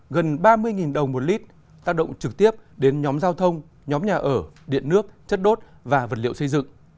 gần ba mươi đồng một lít tác động trực tiếp đến nhóm giao thông nhóm nhà ở điện nước chất đốt và vật liệu xây dựng